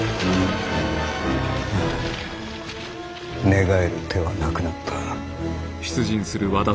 寝返る手はなくなった。